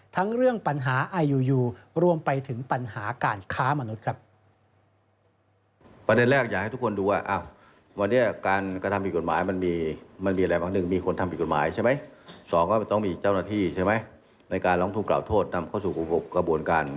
ทั้งเรื่องปัญหาอายุรวมไปถึงปัญหาการค้ามนุษย์ครับ